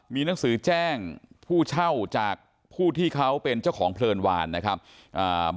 มีหนังสือแจ้งผู้เช่าจากผู้ที่เขาเป็นเจ้าของเพลินวานนะครับอ่า